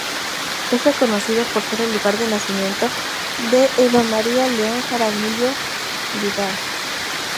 Es reconocido por ser el lugar de nacimiento de Eva María León Jaramillo Vda.